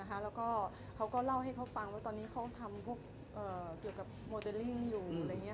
แล้วก็เขาก็เล่าให้เขาฟังว่าตอนนี้เขาทำพวกเกี่ยวกับโมเดลลิ่งอยู่อะไรอย่างนี้